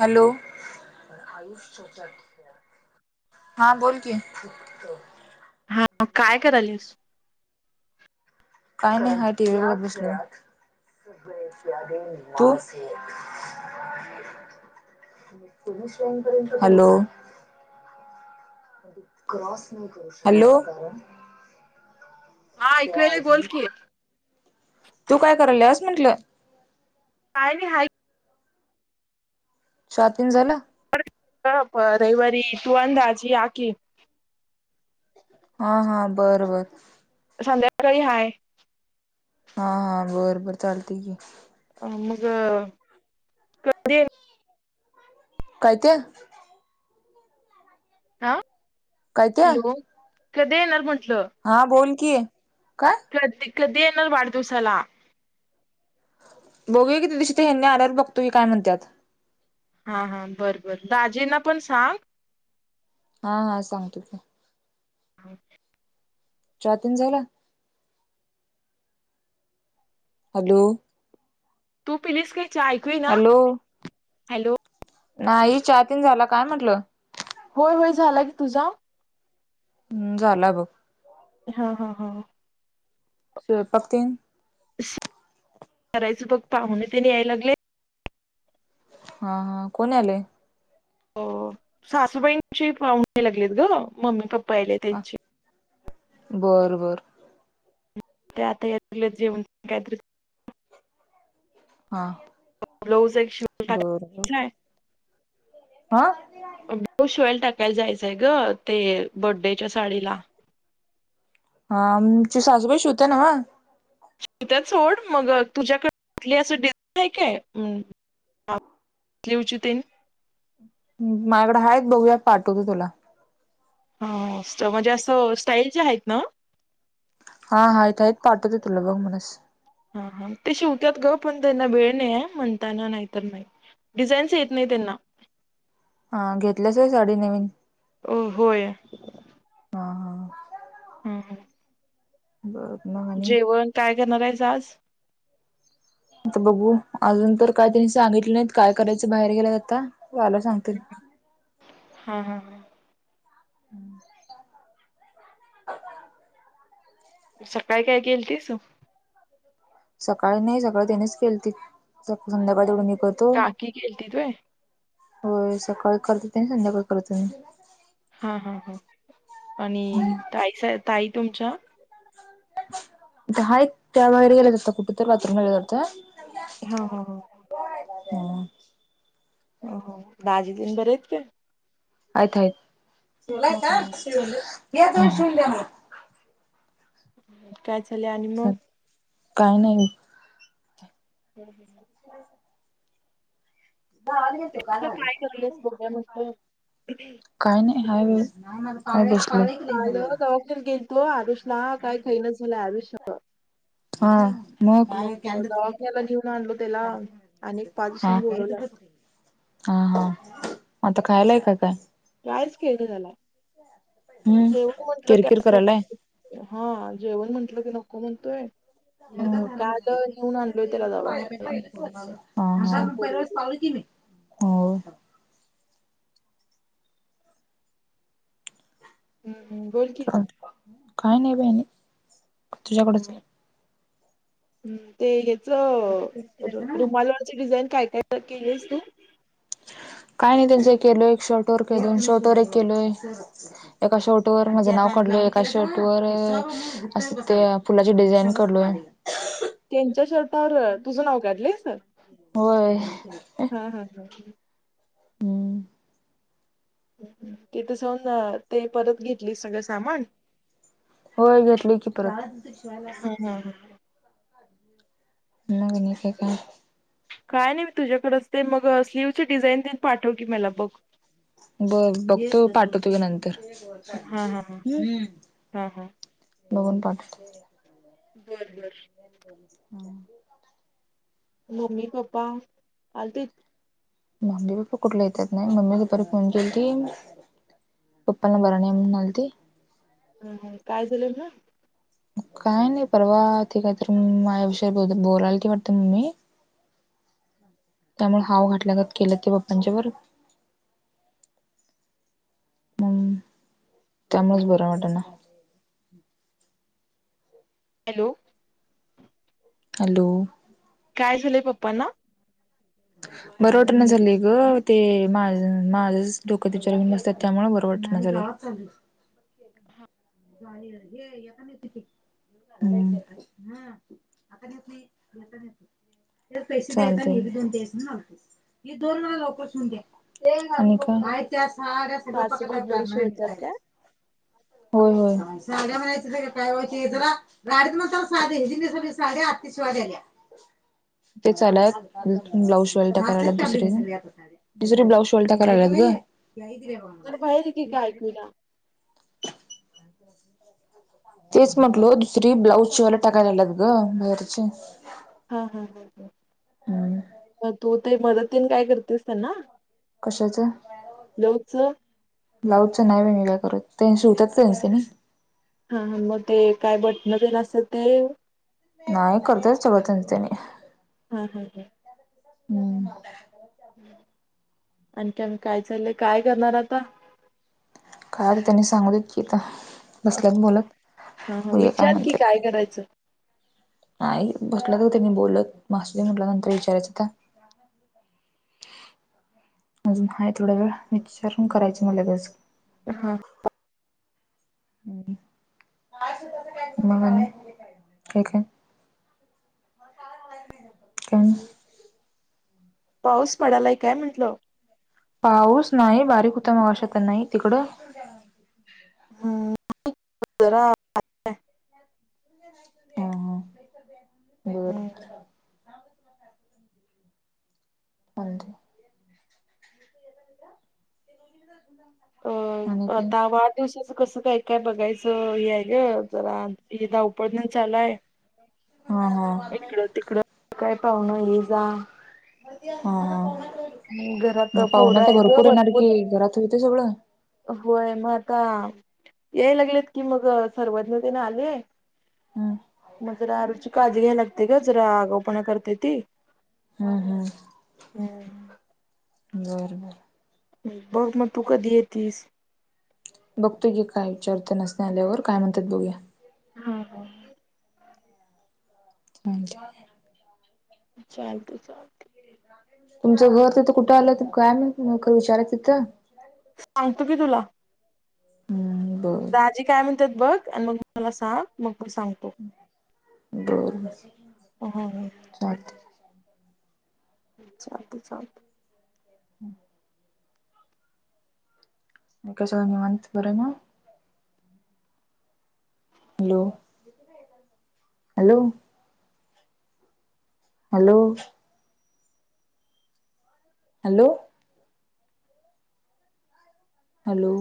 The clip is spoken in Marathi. हॅलो ु हा बोल कि हा काय करालस पाय नाही हय टी वलागेस [unintelligible] हॅलो हॅलो हा एकऐवेेळे बोलते तू काय कल असस म्हंटलं का नाही ह चहा तेन झालं? अ रविवार तू आणि दाजी या की. हा, हा, बर बर. संध्याकाळी हाय. हा हा बरं बरं चालतंय की. अ मगं कधी याय काय ते हा काय ते हॅलो! कधी येणार म्हंटलं? हा बोल कि. काय? कध कधी येणार वाढदिवसाला? बघू की त्या दिवशी हेनीं आल्यावर बघतो की काय म्हणतात. हां, हां बरं, बर दाजींना पण सांग. हा हा सांगतो की. [inaudible] चहा तेन झाला? हॅलो! तू पिलीस काय चहा? येईना हॅलो! हॅलो नाही, चाहा तेन झाला काय म्हंटलं? होय, होय झाला की, तुझा? हम्! झाला बघ. हा, हा, हा. स्वयंपाक तेन करायचं बघ पाहून तेन यायला लागले. हा. हा कोण यायले? हो सासूबाईंची पाहुणे यालागलीत गं. मम्मी -पप्पा यायलीत त्यांची. बरं बरं. ते आता या लागल्यात जेवण तेन काहीतर. हा. ब्लाऊज एक शिवयला बर बर टाकायचा आहे. हा. ब्लॉऊज एक शिवायला टाकायला जायचंय गं ते बडेच्या साडीला. हा, आमची सासूबाई शिवत्या नव्ह. शिवत्यात सोड. मगं तुझ्याकडे कुठली असं डिझाइन आहे काय? स्लीवची तेन माझ्या कडं आहेत बघूया पाठवतो तुला. हो, म्हणजे असं स्टाईलची आहेत नव्ह. हा. हा आहेत आहेत पाठवत आहे तुला बघ म्हणस. हा, हा ते शिवत्यात गं पण त्यांना वेळ नाही आहे म्हणताना नाहीतर नाही. डिझाईनच येत नाही ते हा, घेतल्यास व्हय साडी नवीन. होय. हा हा हम् हम्म. बरं मगं. जेवण काय करणार आहेस आज? आता बघू अजून तर काय त्यांनी सांगितले नाहीत काय करायचं बाहेर गेल्यात आता आल्यावर सांग हा हा. हम्म! [inaudible] सकाळी काय केलतीस? सकाळी नाही सकाळी त्यांनेच केलती संध्याकाळी तेवढ मी कर काकी खेळती तु आहे होय सकाळी करत हो संध्याकाळी करत हो हा हा हा मी आणि ताई ताई तुमच्या हा त्या वगैर गेले जात कुठु तर बातूम ग जत हा हा हा हो दजी तन बरे आहेत का आयय हा हा शव शव शव काय चालं आणि मग काय नाही ह ह हो द काय ठगलेस बोघ्या मस्त काही नाही हाय वेळ गेल तो आरुष ला काय काही न झालाय आरुष हा मग हा. दवाख्याला घेऊन आणलो त्याला आणिक पाच दिवसां बोलवला हा हा मता खायलाय का काय कायच खेळळ झाला हम्म जेवण म्हंटल की किरकिर करायलाय. असं हा जेवण म्हंटलं की नको म्हणतोय मग हा काल नेऊन आणलोय त्याला जावाला हा हो हम्म हम बोलकीी काय नाही बहिणी तुझ्याकडेच का हम्म ते याच रुमालची डिझाईन काय काय केलीस तू काय नाही त्यांच एक केलोय एक शॉर्ट वर के दोन शॉर्ट वर एक केलोय एका शर्ट वर माझे नाव काढलं एका शेर्ट वर असं ते फुलाची डिझाईन करलोय त्यांच्या शर्टावर तुझं नाव काढलंयस होय हा हा हा हम्म तिथं जाऊन ते परत घेतली सगळं सामान होळ घेतली की परत हा हा ह नग न का आहे का काय नाही मी तुझ्याकडेच ते मग स्लीव्ह डिझाईन देन पाठव की मला बघ ब बघतो पाठवतोी नंतर हा हा ह हा हा लगन पाठ बरं बरं हा मम्मी पप्पा आल ते मम्मी पप्पा कुठला येतात नाही मम्मी दुपारी फोन केली की पप्पा न बरणेम नलती ह काय झालं ना काय नाही परवा ते काहीत माझ्याविषयी ब बोलायला की वाटत मम् मी त्यामुळे हाव घाटला घात केलं ते बाप्पांच्या व त्यामुळेच बर वाट ना हॅलो हॅलो काय झालंय पप्पना बरं वाटना झालेय गं ते माझ माझ डोकं [inaudible] त्यामुळे बरं वाटना झालंय. आता [inaudible] चालतंय ही दोन तेवढ लवकर शिवून दया. आहेत त्या साड्या सगळ्या पाक सासूबाई ब्लाऊज काढणार आहे शिवतात मी काय होय होय, साड्या म्हणायच हा हा [inaudible] गाडीत म साधे जिली स साध्या आतिशिवा्याल्या तेला [inaudible] ब्लाऊज शिवायला टाकायला आल्यात हो दुसरे. दुसरे ब्लाऊज शिवायला टाकायला आल्यात गं जरा बाहेर की, काय ऐकू येईना! [inaudible] तेच म्हटलो दुसरी ब्लाऊज शिवायला टाकल्यात गं बाहेरची. हां हां हम्म हां, तु ते मदत तेन काय करतीस त्यांना? कश्याचं? ब्लाऊजच ब्लाऊजच मी नाही काय करत, त्यांनी शिवतात त्याचं त्यांनी. हां हां मग ते काय बटण तेन असत्यात कायं [inaudible] नाही करत्यात सगळं त्याचं त्यांनी. हां हां हां! हम्म! [unintelligible] आणखी आणि काय चाललंय. काय करणार आता? काय तेनी सांगू देत की आता हा बसल्यात बोलत, हा बघूया काय विचार की म्हणत्यात? काय करायचं! नाही, बसल्यात ओ तेनी बोलत मग असू दे म्हटलं नंतर विचारायचं तर ह [unintelligible] अजून हाय थोडा वेळ विचारून करायचं मग लगेच हां [unintelligible] [unintelligible] ठीक आहे. कोण? [unintelligible] पाऊस पडालाय काय म्हटलं पाऊस, नाही बारीक हुता मगाशी, आता नाही. तिकड? हम्म, जरा हां हां, बरं हम्म, [unintelligible] [inaudible] [inaudible] अ आणि काय आता वाढदिवसाचं कसं काय काय बघायचं, यायचं जरा ते धावपळ चालू हाय. हां हां इकडं तिकडं काय पावनं ये जा हां हां, घरात मग पाहुन पोरं तेर आहेत ग भरपूर येणार की, घरात होताय सगळं. होय, मग आता यायला लागलेत की मग सर्वज्ञ तेन आले. हम् मग जरा आरूची काळजी घ्यायला लागते गं, जरा आगावपणा करते ती. हम्म हम्म हां बरं बरं बघ, मग तू कधी येेतीस? बघतो कि, काय विचारतो त्यासानी आल्यावर काय म्हणतात बघूया. हां हां म्हज [unintelligible] चालतंय चालतंय तुमचं घर तिथं कुठं आलं, काय म्हणून नेमकं विचाराय तिथं. सांगतो की तुला! हम् ब दजी काय म्हणतात बघ आणि मग मला सांग मग मी सांगतो बर हो हो हो [inaudible] [unintelligible] च् चालते चालते हम् [inaudible] कस आहे निवांत बर नव्ह hello hello hello hello hello